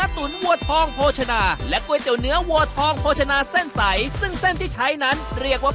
ตุ๋นวัวทองโภชนาและก๋วยเตี๋ยวเนื้อวัวทองโภชนาเส้นใสซึ่งเส้นที่ใช้นั้นเรียกว่า